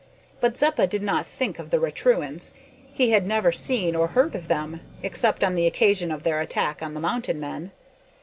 But Zeppa did not think of the Raturans. He had never seen or heard of them, except on the occasion of their attack on the Mountain men.